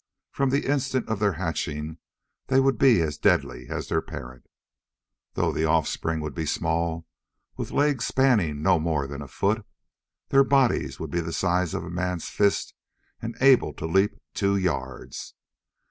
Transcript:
From the instant of their hatching they would be as deadly as their parent. Though the offspring would be small with legs spanning no more than a foot their bodies would be the size of a man's fist and able to leap two yards.